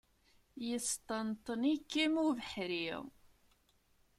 Yesṭenṭen-ikem ubeḥri.